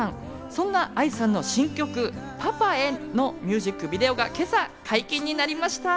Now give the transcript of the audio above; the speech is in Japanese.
そんなＡＩさんの新曲『パパへ』のミュージックビデオが今朝解禁になりました。